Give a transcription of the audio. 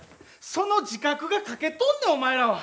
その自覚が欠けとんねんお前らは！